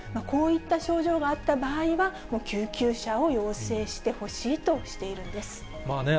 こういった症状があった場合は、もう、救急車を要請してほしいとしているんです。